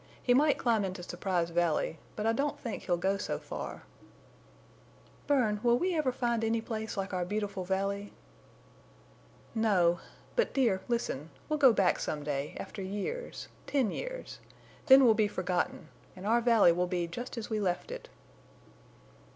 He might climb into Surprise Valley, but I don't think he'll go so far." "Bern, will we ever find any place like our beautiful valley?" "No. But, dear, listen. Well go back some day, after years—ten years. Then we'll be forgotten. And our valley will be just as we left it."